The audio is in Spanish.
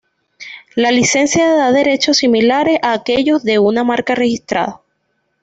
La licencia da derechos similares a aquellos de una marca registrada.